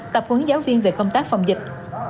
tập hướng giáo viên về công tác phòng dịch